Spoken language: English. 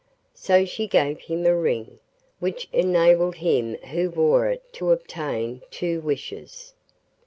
So she gave him a ring, which enabled him who wore it to obtain two wishes.